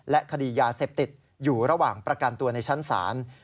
คดียาเสพติดอยู่ระหว่างประกันตัวในชั้นศาล